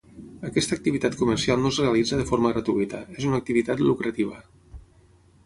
Aquesta activitat comercial no es realitza de forma gratuïta, és una activitat lucrativa.